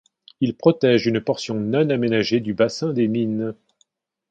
Il protège une portion non aménagée du bassin des Mines.